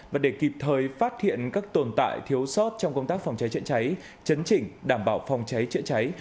và để kịp thời phát hiện các tồn tại thiếu sót trong công tác phòng cháy chữa cháy chấn chỉnh đảm bảo phòng cháy chữa cháy